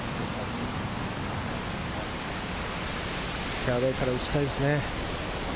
フェアウエーから打ちたいですね。